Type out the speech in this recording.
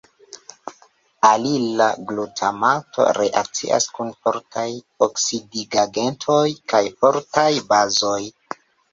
Alila glutamato reakcias kun fortaj oksidigagentoj kaj fortaj bazoj.